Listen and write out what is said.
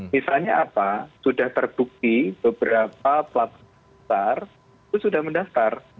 misalnya apa sudah terbukti beberapa platform sudah mendaftar